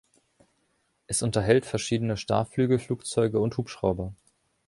Es unterhält verschiedene Starrflügelflugzeuge und Hubschrauber.